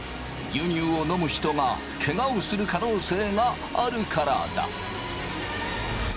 牛乳を飲む人がケガをする可能性があるからだ。